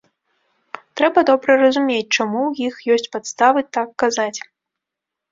Трэба добра разумець, чаму ў іх ёсць падставы так казаць.